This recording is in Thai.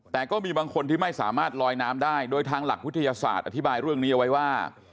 แต่ก็มีบางคนที่ไม่สามารถลอยน้ำได้โดยทางหลักวิทยาศาสตร์อธิบายเรื่องนี้เอาไว้ว่า